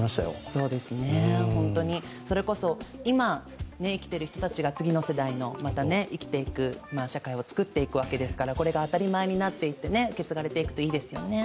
そうですね、それこそ今生きている人たちが次の世代のまた生きていく社会をつくっていくわけですから、これが当たり前になっていって受け継がれていくといいですよね。